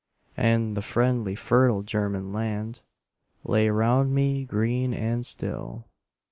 And the friendly fertile German land Lay round me green and still.